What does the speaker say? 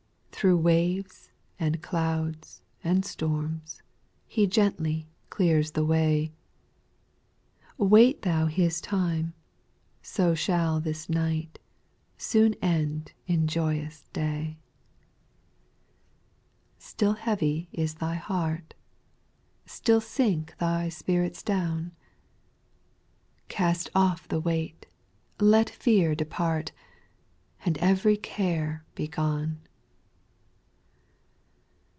2. Through waves, and clouds, and storms, He gently clears the way ; Wait thou His time ; so shall this night Soon end in joyous day. SPIRITUAL SONGS. 27 3, Still heavy is tliy heart ? Still sink thy spirits down ? Oast off the weight, let fear depart, And ev'ry care be gone.